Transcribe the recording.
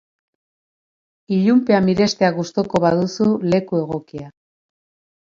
Ilunpea mirestea gustuko baduzu, leku egokia.